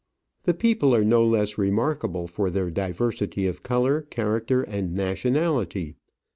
The people are no less remarkable for their diversity of colour, character, and nationality.